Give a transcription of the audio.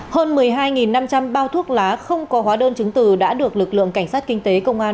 hơn một mươi hai năm trăm linh bao thuốc lá không có hóa đơn chứng từ đã được lực lượng cảnh sát kinh tế công an